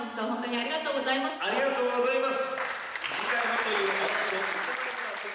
ありがとうございます。